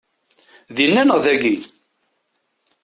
Dinna neɣ dagi?